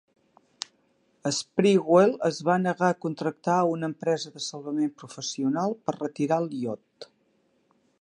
Sprewell es va negar a contractar a una empresa de salvament professional per retirar el iot.